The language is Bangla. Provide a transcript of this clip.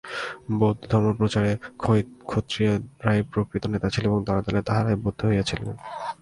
বৌদ্ধধর্ম-প্রচারে ক্ষত্রিয়েরাই প্রকৃত নেতা ছিলেন এবং দলে দলে তাঁহারাই বৌদ্ধ হইয়াছিলেন।